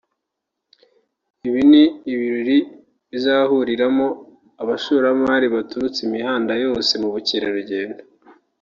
Ibi ni ibirori bizahuriramo abashoramari baturutse imihanda yose mu bukerarugendo